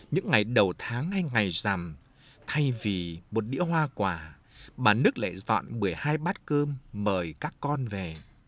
những ngày đầu tháng hay ngày rằm thay vì một đĩa hoa quả bà đức lại dọn một mươi hai bát cơm mời các con về